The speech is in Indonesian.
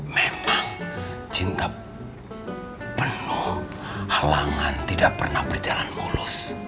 memang cinta penuh halangan tidak pernah berjalan mulus